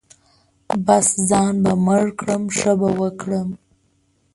بـس ځان به مړ کړم ښه به وکړم.